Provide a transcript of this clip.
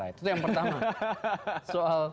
itu yang pertama